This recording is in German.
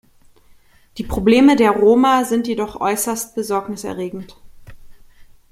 Die Probleme der Roma sind jedoch äußerst besorgniserregend.